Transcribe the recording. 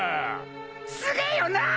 すげえよなぁ！